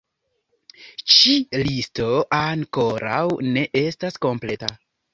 Ĉi-listo ankoraŭ ne estas kompleta.